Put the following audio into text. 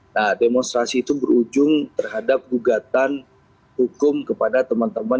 nah demonstrasi itu berujung terhadap gugatan hukum kepada teman teman